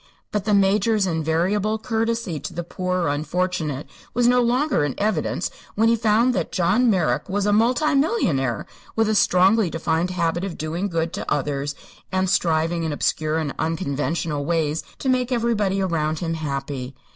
But the Major's invariable courtesy to the poor or unfortunate was no longer in evidence when he found that John Merrick was a multi millionaire with a strongly defined habit of doing good to others and striving in obscure and unconventional ways to make everybody around him happy.